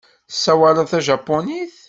Tessawaleḍ tajapunit.